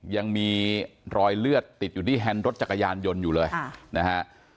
ยังมีรอยเลือดติดอยู่ที่แฮนด์รถจักรยานยนต์อยู่เลยนะฮะ